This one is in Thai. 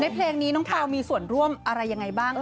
เพลงนี้น้องเปล่ามีส่วนร่วมอะไรยังไงบ้าง